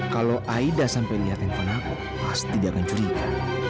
kalo aida sampe liatin fon aku pasti dia akan curiga